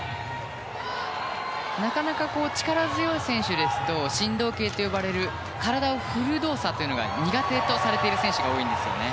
なかなか力強い選手ですと振動系と呼ばれる体を振る動作というのが苦手とする選手が多いとされているんですよね。